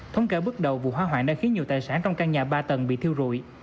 thống kể bước đầu vụ hỏa hoạn đã khiến nhiều tài sản trong căn nhà ba tầng bị thiêu rụi